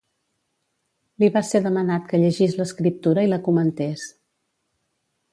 Li va ser demanat que llegís l'Escriptura i la comentés.